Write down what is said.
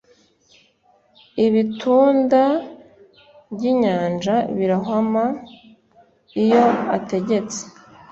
ibitunda by'inyanja birahwama iyo ategetse